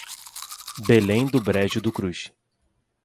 Belém do Brejo do Cruz